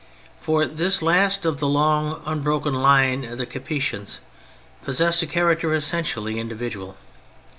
For this last of the long, un broken line of Capetians possessed a character essentially individual.